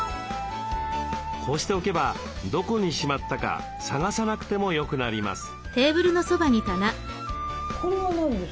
こうしておけばどこにしまったか探さなくてもよくなります。